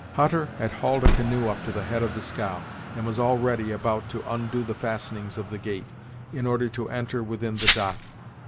Hutter had hauled a canoe up to the head of the scow, and was already about to undo the fastenings of the gate, in order to enter within the 'dock.'